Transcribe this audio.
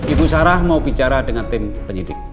ibu sarah mau bicara dengan tim penyidik